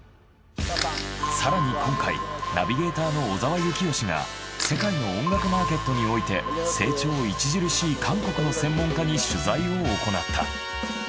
更に今回ナビゲーターの小澤征悦が世界の音楽マーケットにおいて成長著しい韓国の専門家に取材を行った。